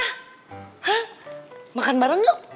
hah makan bareng yuk